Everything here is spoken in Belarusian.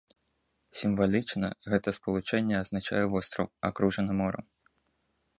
Сімвалічна гэта спалучэнне азначае востраў, акружаны морам.